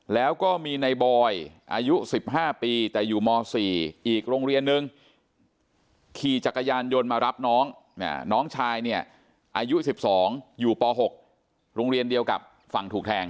แล้วก็มีนายบอยยี่อายุ๑๕ปีแต่อยู่ม๔อีกโรงเรียนนึง